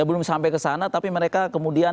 belum sampai ke sana tapi mereka kemudian